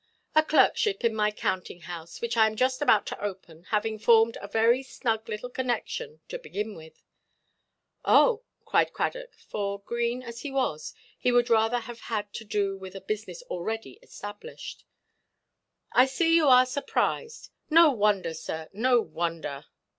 "A clerkship in my counting–house, which I am just about to open, having formed a very snug little connexion to begin with." "Oh!" cried Cradock, for, green as he was, he would rather have had to do with a business already established. "I see you are surprised. No wonder, sir; no wonder!